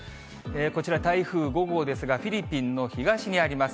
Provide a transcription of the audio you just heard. こちら、台風５号ですが、フィリピンの東にあります。